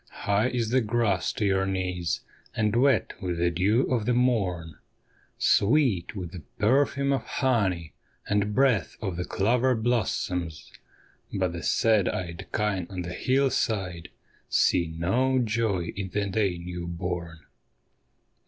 High is the grass to your knees, and wet with the dew of the morn, Sweet with the perfume of honey, and breath of the clover blossoms ; But the sad eyed kine on the hillside see no joy in the day newborn.